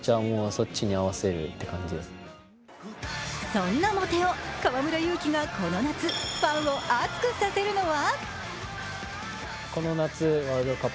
そんなモテ男・河村勇輝がこの夏ファンを熱くさせるのは！